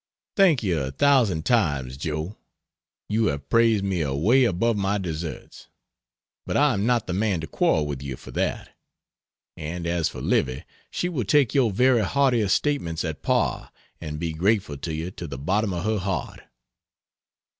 Thank you a thousand times Joe, you have praised me away above my deserts, but I am not the man to quarrel with you for that; and as for Livy, she will take your very hardiest statements at par, and be grateful to you to the bottom of her heart.